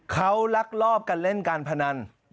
เขาลักลอบกันเล่นการพนัน